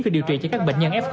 khi điều trị cho các bệnh nhân f